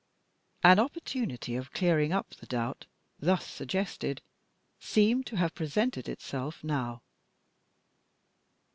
An opportunity of clearing up the doubt thus suggested seemed to have presented itself now.